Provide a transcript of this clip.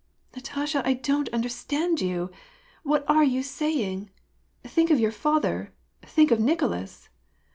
"Natasha, I don't understand you! What are you say ing ? Think of your father, think of Nicolas."